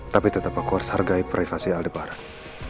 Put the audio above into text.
tapi tetap aku harus hargai privasi aldebaran